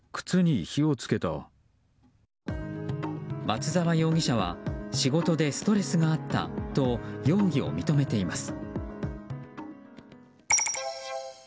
松沢容疑者は仕事でストレスがあったと容疑を認めています。